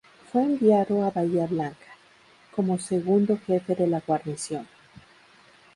Fue enviado a Bahía Blanca, como segundo jefe de la guarnición.